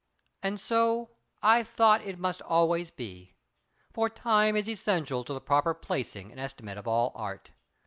And so—I thought it must always be; for Time is essential to the proper placing and estimate of all Art.